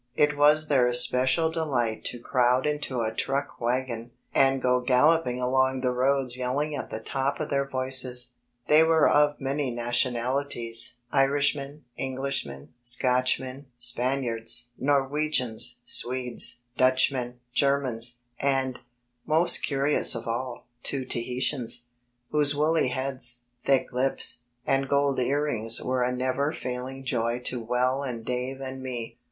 It was their especial delight to crowd into a truck wagon, and go galloping along the roads yelling at the top of their voices. They were of many na donalities, Irishmen, Englishmen, Scotchmen, Spaniards, Norwegians, Swedes, Dutchmen, Germans, and most curious of all two Tahinans, whose woolly heads, thick lips, and gold earrings were a never failing icy to Well and Dave and me.